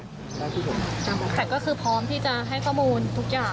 แต่ก็คือพร้อมที่จะให้ข้อมูลทุกอย่าง